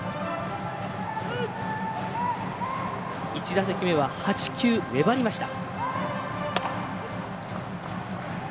１打席目は８球粘りました。